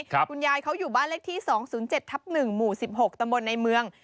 คุณยายเขาอยู่บ้านเลขที่๒๐๗ทับ๑หมู่๑๖ตำบลในเมือง